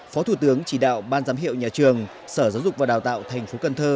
phó thủ tướng chỉ đạo ban giám hiệu nhà trường sở giáo dục và đào tạo tp cn